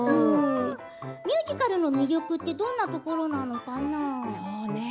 ミュージカルの魅力はどんなところなのかな。